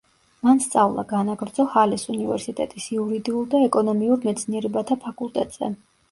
მან სწავლა განაგრძო ჰალეს უნივერსიტეტის იურიდიულ და ეკონომიურ მეცნიერებათა ფაკულტეტზე.